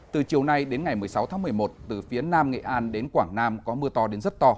từ chiều nay đến ngày một mươi sáu tháng một mươi một từ phía nam nghệ an đến quảng nam có mưa to đến rất to